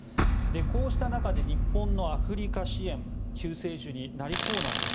こうした中で日本のアフリカ支援救世主になりそうなんです。